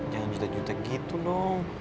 jangan juta juta gitu loh